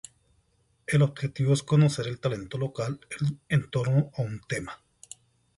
El objetivo es conocer el talento local en torno a un tema.